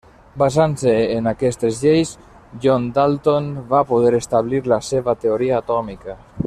Basant-se en aquestes lleis, John Dalton va poder establir la seva teoria atòmica.